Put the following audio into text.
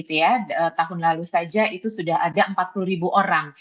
tahun lalu saja itu sudah ada empat puluh ribu orang